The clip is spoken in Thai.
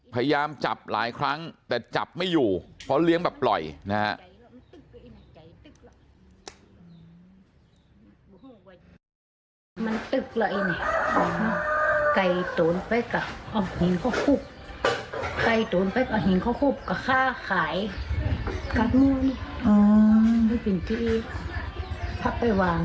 พยายามจับหลายครั้งแต่จับไม่อยู่เพราะเลี้ยงแบบปล่อยนะฮะ